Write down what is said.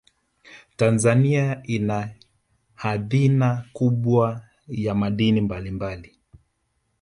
tanzania ina hadhina kubwa ya madini mbalimbali